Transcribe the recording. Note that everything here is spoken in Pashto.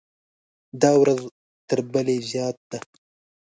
دا ورځ تر بلې زیات ده.